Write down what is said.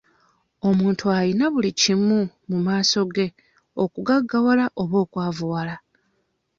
Omuntu ayina buli kimu mu maaso ge okugaggawala oba okwavuwala.